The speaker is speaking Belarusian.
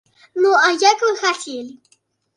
Ну, а як вы хацелі?